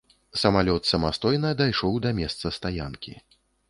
Самалёт самастойна дайшоў да месца стаянкі.